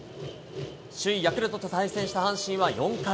首位ヤクルトと対戦した阪神は４回。